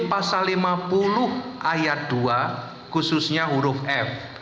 pasal lima puluh ayat dua khususnya huruf f